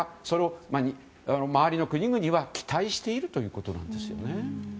それを周りの国々は期待しているということなんです。